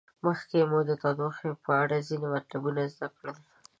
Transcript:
مخکې مو د تودوخې په اړه ځینې مطلبونه زده کړل.